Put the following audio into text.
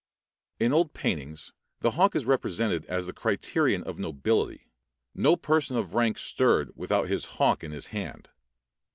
In old paintings the hawk is represented as the criterion of nobility; no person of rank stirred without his hawk in his hand.